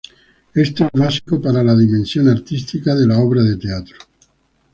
Esto es básico para la dimensión artística a la obra de teatro.